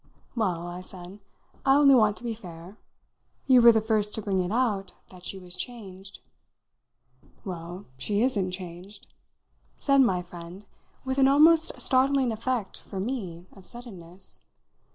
"Well," I said, "I only want to be fair. You were the first to bring it out that she was changed." "Well, she isn't changed!" said my friend with an almost startling effect, for me, of suddenness.